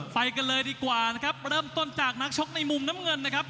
ไปกันเลยดีกว่านะครับเริ่มต้นจากนักชกในมุมน้ำเงินนะครับ